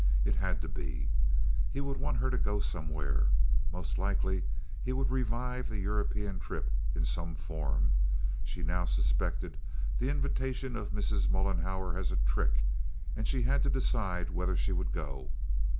It had to be. He would want her to go somewhere. Most likely he would revive the European trip in some form—she now suspected the invitation of Mrs. Mollenhauer as a trick; and she had to decide whether she would go.